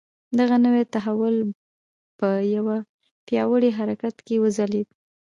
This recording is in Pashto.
دغه نوی تحول په یوه پیاوړي حرکت کې وځلېد.